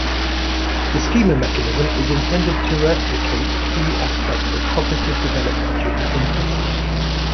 The Schema Mechanism is intended to replicate key aspects of cognitive development during infancy.